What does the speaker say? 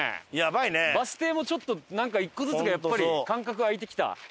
バス停もちょっとなんか１個ずつがやっぱり間隔空いてきた。